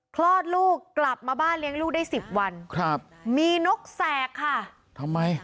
คลอดลูกกลับมาบ้านเลี้ยงลูกได้สิบวันครับมีนกแสกค่ะทำไม